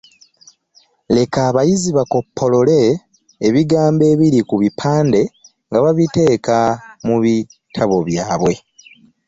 Leka abayizi bakoppolole ebigambo ebiri ku bipande nga babiteeka mu bitabo byabwe.